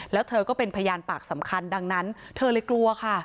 แล้วเธอก็เป็นพยานปากสำคัญดังนั้นเธอเลยกลัวค่ะ